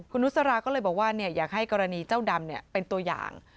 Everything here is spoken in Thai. คุณนุษราก็เลยบอกว่าอยากให้กรณีเจ้าดำเป็นตัวอย่าง